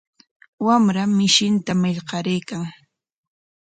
Wamra mishinta marqaraykan.